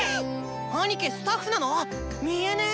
アニキスタッフなの⁉見えねぇ！